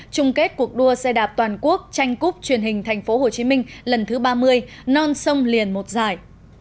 trung kết cuộc đua xe đạp toàn quốc tranh cúp truyền hình tp hcm lần thứ ba mươi non sông liền một giải